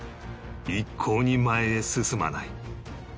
一向に前へ進まない